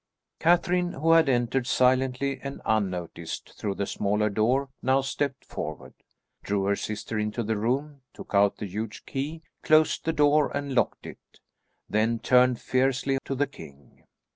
Catherine, who had entered silently and unnoticed through the smaller door, now stepped forward, drew her sister into the room, took out the huge key, closed the door and locked it, then turned fiercely to the king.